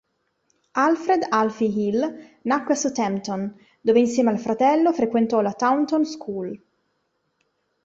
Alfred "Alfie" Hill nacque a Southampton, dove insieme al fratello frequentò la Taunton School.